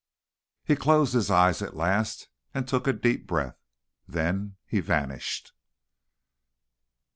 He closed his eyes at last, and took a deep breath. Then he vanished.